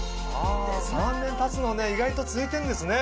３年たつのね意外と続いてるんですね。